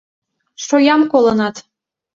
Шоям колынат.